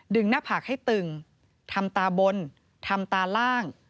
หน้าผากให้ตึงทำตาบนทำตาล่าง